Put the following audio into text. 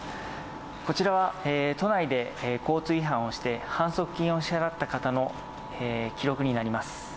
こちらは都内で交通違反をして、反則金を支払った方の記録になります。